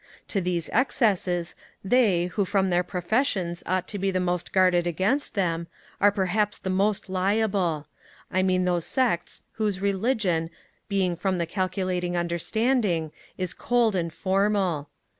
To these excesses, they, who from their professions ought to be the most guarded against them, are perhaps the most liable; I mean those sects whose religion, being from the calculating understanding, is cold and formal.